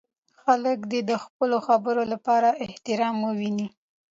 خلک دې د خپلو خبرو لپاره احترام وویني.